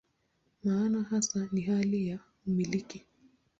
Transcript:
Maana hasa ni hali ya "umiliki".